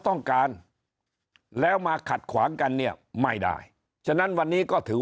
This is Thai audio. ต้องการแล้วมาขัดขวางกันเนี่ยไม่ได้ฉะนั้นวันนี้ก็ถือ